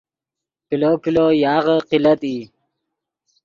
کلو کلو یاغے قلت ای